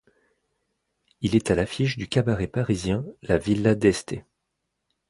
Il est à l'affiche du cabaret parisien la Villa d'Este.